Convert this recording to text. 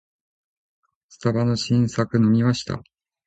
スタバの新作飲みました？